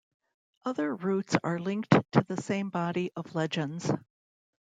Other roots are linked to the same body of legends.